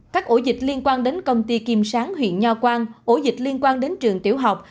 các ổ dịch liên quan đến công ty kim sáng huyện nho quang ổ dịch liên quan đến trường tiểu học